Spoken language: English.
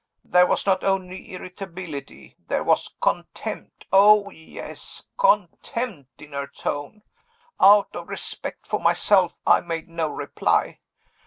There was not only irritability, there was contempt oh, yes! contempt in her tone. Out of respect for myself, I made no reply.